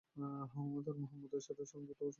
তারা মুহাম্মদ এর সাথে সম্পর্কযুক্ত অন্যতম গোত্র।